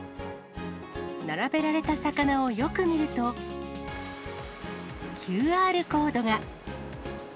並べられた魚をよく見ると、ＱＲコードが。